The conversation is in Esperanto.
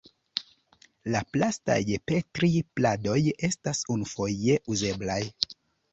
La plastaj Petri-pladoj estas unufoje uzeblaj.